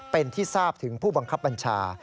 เป็นที่ทราบถึงผู้บังคับบัญชา